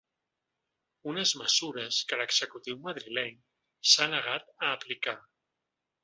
Unes mesures que l’executiu madrileny s’ha negat a aplicar.